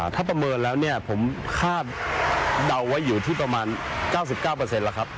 ถ้าประเมินแล้วเนี่ยผมคาดเดาไว้อยู่ที่ประมาณ๙๙แล้วครับ